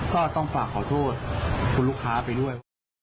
ก็ต้องฝากขอโทษคุณลูกค้าไปด้วยว่า